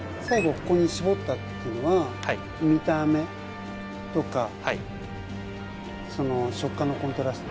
ここに絞ったっていうのは見た目とかはいその食感のコントラスト？